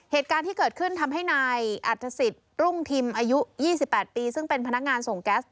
เหตุการณ์ที่เกิดขึ้นทำให้นายอัฐศิษย์รุ่งทิมอายุ๒๘ปีซึ่งเป็นพนักงานส่งแก๊ส